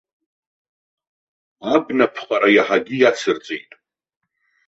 Абнаԥҟара иаҳагьы иацырҵеит.